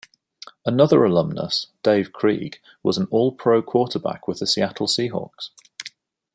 Another alumnus, Dave Krieg, was an All-Pro quarterback with the Seattle Seahawks.